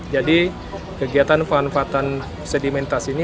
jadi kegiatan manfaatan sedimentasi ini